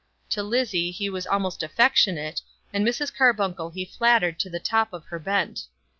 To Lizzie he was almost affectionate, and Mrs. Carbuncle he flattered to the top of her bent.